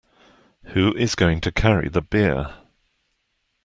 Who is going to carry the beer?